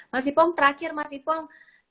mas ipong terakhir mas ipong